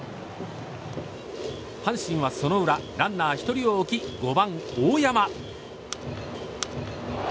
阪神はその裏ランナーを１人置き５番、大山。